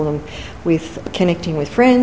dengan berhubungan dengan teman teman